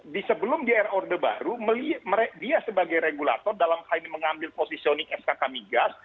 di sebelum di air orde baru dia sebagai regulator dalam hal ini mengambil posisi onik sk kamigas